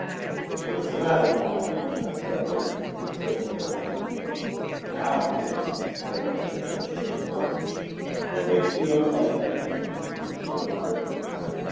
'What's the maitter, Caumill?' asked Robert, in considerable alarm. 'Ow, naething, sir,' returned Campbell. 'What gars ye look like that, than?' insisted Robert.